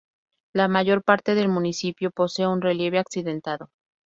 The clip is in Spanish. La mayor parte del municipio posee un relieve accidentado.